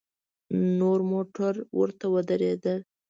نور موټر ورته ودرېدل.